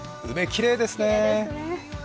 梅、きれいですね。